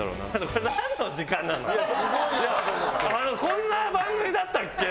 こんな番組だったっけ？